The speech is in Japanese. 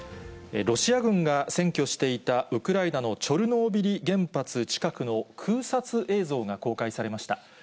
ロシア軍が占拠していた、ウクライナのチョルノービリ原発近くの空撮映像が公開されました。